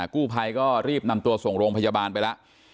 กู้ภัยก็รีบนำตัวส่งโรงพยาบาลไปแล้ว